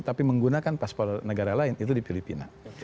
tapi menggunakan paspor negara lain itu di filipina